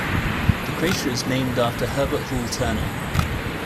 The crater is named after Herbert Hall Turner.